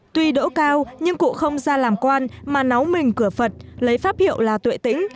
tuy đỗ cao nhưng cụ không ra làm quan mà náu mình cửa phật lấy pháp hiệu là tuệ tĩnh